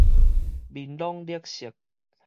面攏慄色